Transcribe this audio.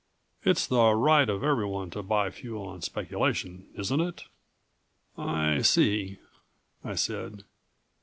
It's the right of everyone to buy fuel on speculation, isn't it?" "I see," I said.